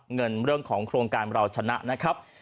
เงินเรื่องของโครงการเราชนะนะครับ